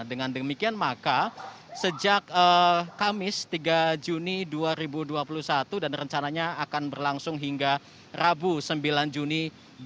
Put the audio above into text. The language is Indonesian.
dengan demikian maka sejak kamis tiga juni dua ribu dua puluh satu dan rencananya akan berlangsung hingga rabu sembilan juni dua ribu dua puluh